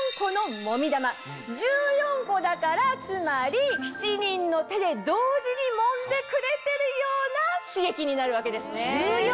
１４個だからつまり７人の手で同時にもんでくれてるような刺激になるわけですね。